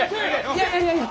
いやいやいや！